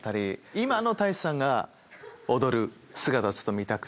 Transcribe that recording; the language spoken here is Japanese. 今の太一さんが踊る姿をちょっと見たくて。